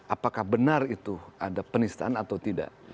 apakah benar itu ada penistaan atau tidak